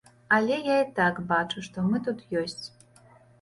Але я і так бачу, што мы тут ёсць.